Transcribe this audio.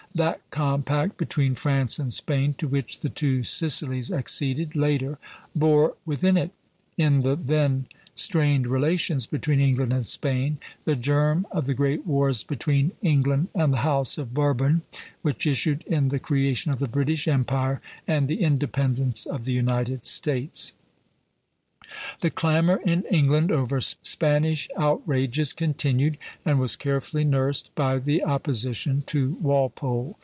That compact between France and Spain, to which the Two Sicilies acceded later, bore within it, in the then strained relations between England and Spain, the germ of the great wars between England and the House of Bourbon which issued in the creation of the British Empire and the independence of the United States. The clamor in England over Spanish outrages continued, and was carefully nursed by the opposition to Walpole.